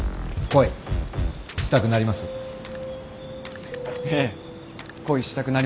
恋したくなりますよ。